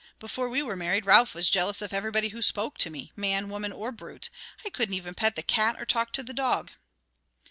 Before we were married, Ralph was jealous of everybody who spoke to me man, woman, or brute. I couldn't even pet the cat or talk to the dog."